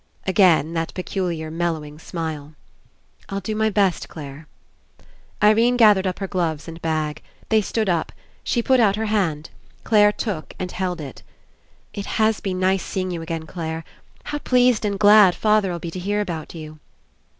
Again that peculiar mellowing smile. "I'll do my best, Clare." Irene gathered up her gloves and bag. They stood up. She put out her hand. Clare took and held It. "It has been nice seeing you again, Clare. How pleased and glad father'll be to hear about you!"